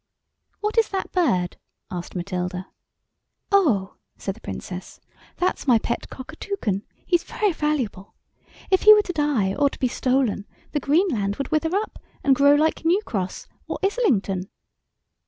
"What is that bird?" asked Matilda. "Oh," said the Princess, "that's my pet Cockatoucan; he's very valuable. If he were to die or be stolen the Green Land would wither up and grow like New Cross or Islington."